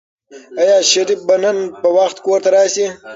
آیا شریف به نن په وخت کور ته راشي؟